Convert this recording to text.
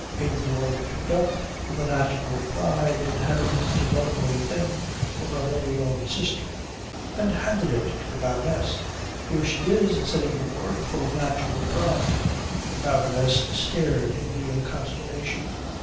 Ingeborg took it up with a natural pride in having such a lovely thing for her very own sister and handed it to the Baroness. "Here she is," said Ingeborg, full of natural pride. The Baroness stared in real consternation.